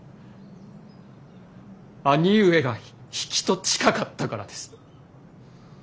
兄上が比企と近かったからです。